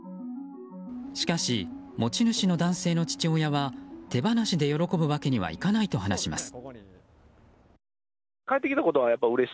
しかし、持ち主の男性の父親は手放しで喜ぶわけにはいかないと話します。